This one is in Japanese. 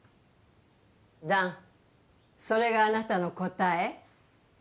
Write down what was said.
弾それがあなたの答え？